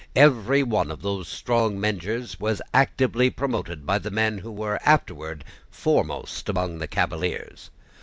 Every one of those strong measures was actively promoted by the men who were afterward foremost among the Cavaliers.